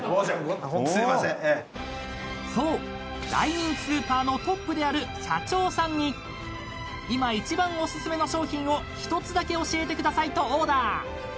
［そう大人気スーパーのトップである社長さんに今一番おすすめの商品を１つだけ教えてくださいとオーダー］